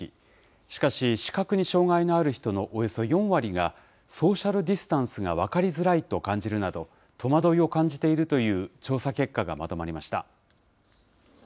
しかし、視覚に障害のある人のおよそ４割が、ソーシャルディスタンスが分かりづらいと感じるなど、戸惑いを感じているという調査結果がまとまりました。